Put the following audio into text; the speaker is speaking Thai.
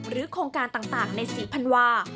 หรือโครงการต่างในสีพันวา